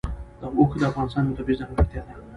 اوښ د افغانستان یوه طبیعي ځانګړتیا ده.